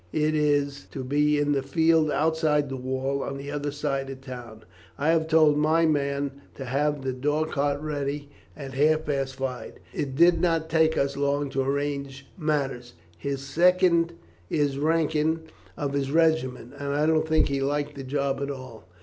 It is to be in the field outside the wall, on the other side of the town. I have told my man to have the dogcart ready at half past five. It did not take us long to arrange matters. His second is Rankin, of his regiment; and I don't think he liked the job at all.